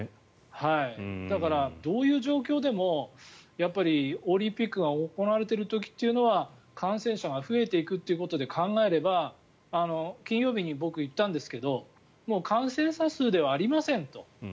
だから、どういう状況でもオリンピックが行われている時というのは感染者が増えていくっていうことで考えれば金曜日に僕、言ったんですけどもう感染者数ではありませんと。